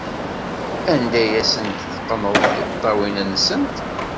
Anda ay asent-teqqneḍ tiṭṭawin-nsent?